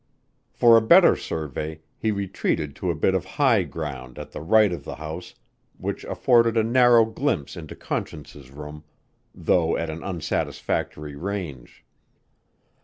For a better survey, he retreated to a bit of high ground at the right of the house which afforded a narrow glimpse into Conscience's room, though at an unsatisfactory range.